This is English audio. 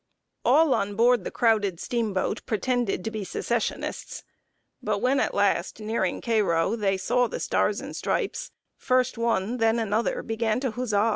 All on board the crowded steamboat pretended to be Secessionists. But when, at last, nearing Cairo, they saw the Stars and Stripes, first one, then another, began to huzza.